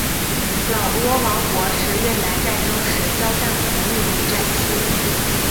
老挝王国是越南战争时交战国的秘密战区。